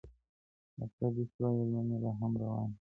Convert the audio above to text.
ډاکټر ډسیس وايي ازموینې لا هم روانې دي.